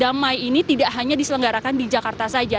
damai ini tidak hanya diselenggarakan di jakarta saja